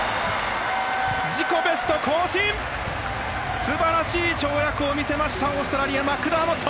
素晴らしい跳躍を見せましたオーストラリアマクダーモット。